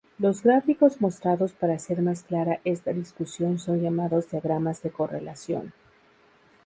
Los gráficos mostrados para hacer más clara esta discusión son llamados diagramas de correlación.